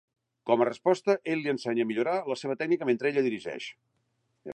Com a resposta, ell li ensenya a millorar la seva tècnica mentre ella dirigeix.